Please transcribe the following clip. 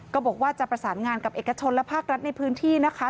ก็บอกว่าจะประสานงานกับเอกชนและภาครัฐในพื้นที่นะคะ